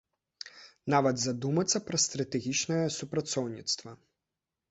Нават задумацца пра стратэгічнае супрацоўніцтва.